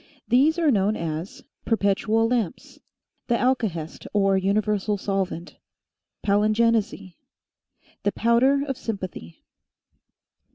These are known as PERPETUAL LAMPS. THE ALKAHEST OR UNIVERSAL SOLVENT. PALINGENESY. THE POWDER OF SYMPATHY.